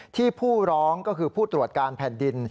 ผู้ร้องก็คือผู้ตรวจการแผ่นดิน